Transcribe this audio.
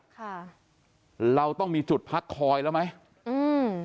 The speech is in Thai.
ค่ะเราต้องมีจุดพักคอยแล้วไหมอืม